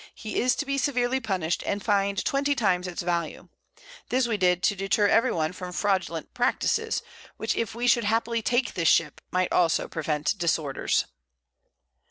he is to be severely punished, and fined 20 Times its Value: This we did to deter every one from fraudulent Practices, which if we should happily take this Ship, might also prevent Disorders.